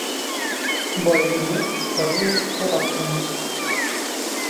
Бай бирмәҫ, ярлы ҡарап тормаҫ.